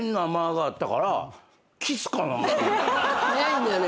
早いんだよね。